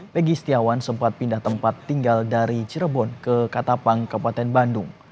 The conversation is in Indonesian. pegi setiawan sempat pindah tempat tinggal dari cirebon ke katapang kabupaten bandung